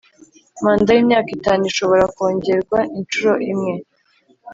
Manda y’imyaka itanu ishobora kongerwa inshuro imwe